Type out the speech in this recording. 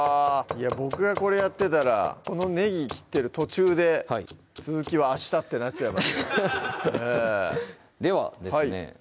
僕がこれやってたらこのねぎ切ってる途中で続きは明日ってなっちゃいますではですね